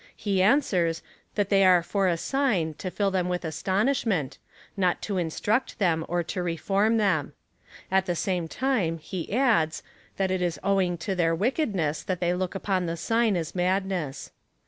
He answers, that they are /or a sign to fill them with astonishment — not to instruct them, or to reform them. At the same time he adds, that it is owing to their wickedness, that they look upon the sign as madness.